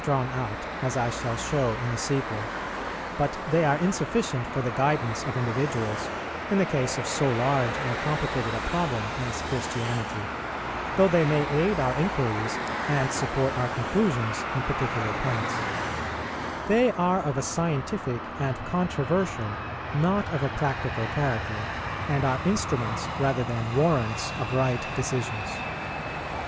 Tests, it is true, for ascertaining the correctness of developments in general may be drawn out, as I shall show in the sequel; but they are insufficient for the guidance of individuals in the case of so large and complicated a problem as Christianity, though they may aid our inquiries and support our conclusions in particular points. They are of a scientific and controversial, not of a practical character, and are instruments rather than warrants of right decisions.